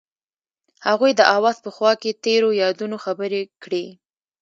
هغوی د اواز په خوا کې تیرو یادونو خبرې کړې.